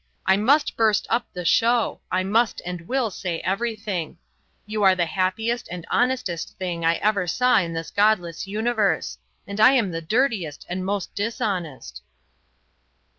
I must burst up the show; I must and will say everything. You are the happiest and honestest thing I ever saw in this godless universe. And I am the dirtiest and most dishonest."